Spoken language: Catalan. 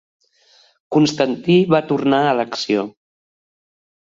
Constantí va tornar a l'acció.